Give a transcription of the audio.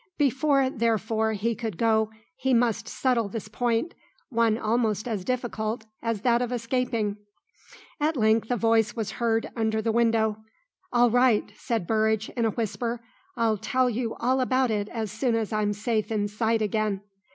Before therefore he could go he must settle this point, one almost as difficult as that of escaping. At length a voice was heard under the window. "All right," said Burridge, in a whisper; "I'll tell you all about it as soon as I'm safe inside again."